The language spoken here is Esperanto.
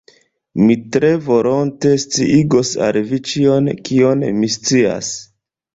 Mi tre volonte sciigos al vi ĉion, kion mi scias.